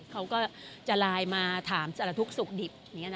เขาก็จะไลน์มาถามสารทุกข์สุขดิบ